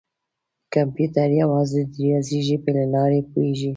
کمپیوټر یوازې د ریاضي ژبې له لارې پوهېږي.